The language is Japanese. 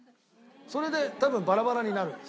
それで多分バラバラになるんです。